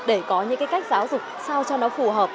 để có những cái cách giáo dục sao cho nó phù hợp